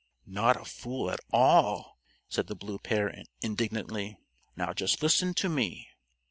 "Not a fool at all," said the Blue Pair indignantly. "Now just listen to me.